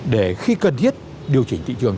để khi cần thiết điều chỉnh thị trường